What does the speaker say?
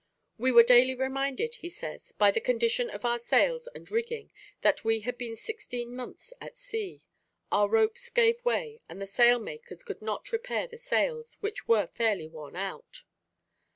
"We were daily reminded," he says, "by the condition of our sails and rigging, that we had been sixteen months at sea. Our ropes gave way, and the sail makers could not repair the sails, which were fairly worn out."